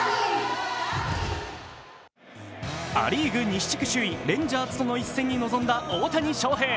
ア・リーグ西地区首位、レンジャーズとの一戦に臨んだ大谷翔平。